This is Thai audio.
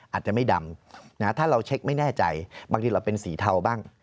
อาจจะไม่ดำถ้าเราเช็คไม่แน่ใจบางทีเราเป็นสีเทาบ้าง